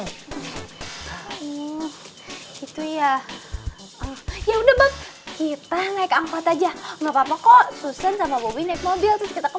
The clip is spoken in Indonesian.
gitu ya ya udah kita naik angkat aja nggak papa kok susan sama bobby naik mobil kita ke